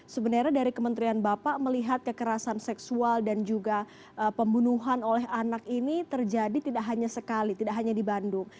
sebenarnya dari kementerian bapak melihat kekerasan seksual dan juga pembunuhan oleh anak ini terjadi tidak hanya sekali tidak hanya di bandung